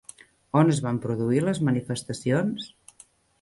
On es van produir les manifestacions?